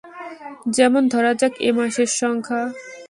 যেমন ধরা যাক এ মাসের সংখ্যা।